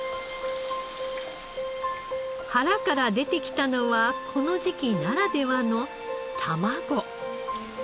腹から出てきたのはこの時期ならではの卵。